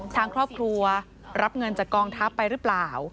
ทางครอบครัวรับเงินจากกองทัพไปหรือเปล่า